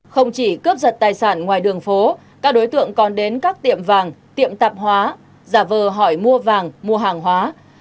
không chỉ cướp giật tài sản ngoài đường phố các đối tượng còn đến các tiệm vàng tiệm tạp hóa giả vờ hỏi mua vàng mua hàng hóa